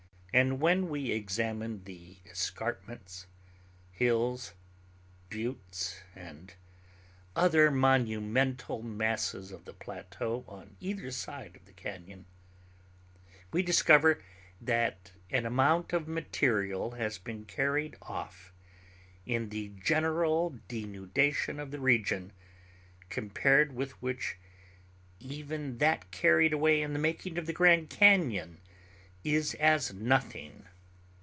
And when we examine the escarpments, hills, buttes, and other monumental masses of the plateau on either side of the cañon, we discover that an amount of material has been carried off in the general denudation of the region compared with which even that carried away in the making of the Grand Cañon is as nothing.